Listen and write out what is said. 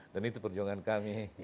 dan itu perjuangan kami